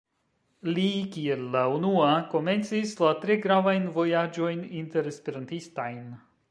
Li kiel la unua komencis la tre gravajn vojaĝojn inter-Esperantistajn.